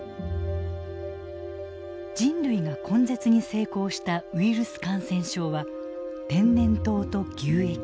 人類が根絶に成功したウイルス感染症は天然痘と牛疫